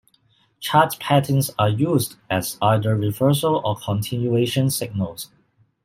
Chart patterns are used as either reversal or continuation signals.